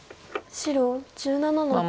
白１７の九。